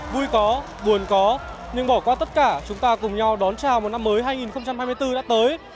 vui có buồn có nhưng bỏ qua tất cả chúng ta cùng nhau đón chào một năm mới hai nghìn hai mươi bốn đã tới